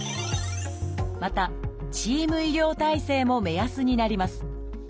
またチーム医療体制も目安になります。